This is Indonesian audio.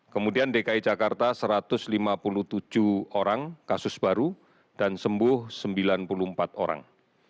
kemudian dki jakarta satu ratus lima puluh tujuh orang kasus baru dan sembuh sembilan puluh empat orang